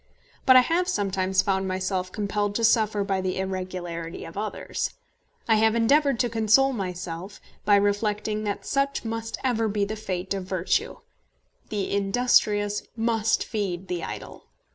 But I have sometimes found myself compelled to suffer by the irregularity of others. I have endeavoured to console myself by reflecting that such must ever be the fate of virtue. The industrious must feed the idle.